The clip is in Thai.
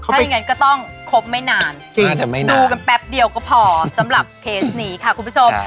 ถ้าอย่างนั้นก็ต้องครบไม่นานดูกันแป๊บเดียวก็พอสำหรับเคสนี้ค่ะคุณผู้ชม